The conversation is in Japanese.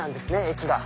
駅が。